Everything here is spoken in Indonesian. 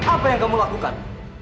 apa yang kamu lakukan